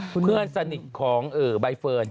เพื่อนสนิทของใบเฟิร์น